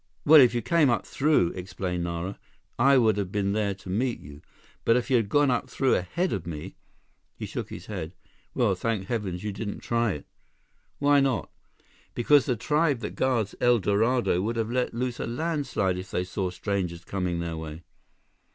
"Why, if you came up through," explained Nara, "I would have been there to meet you. But if you had gone up through ahead of me"—he shook his head—"well, thank heavens, you didn't try it!" "Why not?" "Because the tribe that guards El Dorado would have let loose a landslide if they saw strangers coming their way.